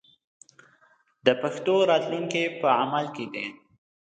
د پښتو راتلونکی په عمل کې دی.